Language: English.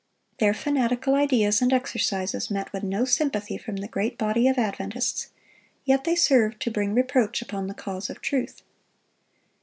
Their fanatical ideas and exercises met with no sympathy from the great body of Adventists; yet they served to bring reproach upon the cause of truth.